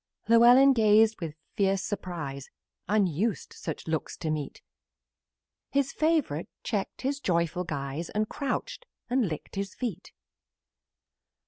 Llewellyn gazed with wild surprise, Unused such looks to meet; His favorite checked his joyful guise, And crouched and licked his feet.